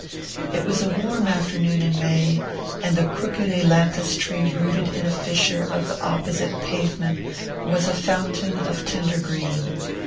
It was a warm afternoon in May, and the crooked ailanthus tree rooted in a fissure of the opposite pavement was a fountain of tender green.